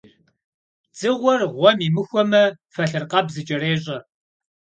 Dzığuer ğuem yimıxueme, felhırkheb zıç'erêş'e.